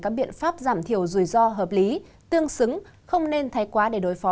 các biện pháp giảm thiểu rủi ro hợp lý tương xứng không nên thay quá để đối phó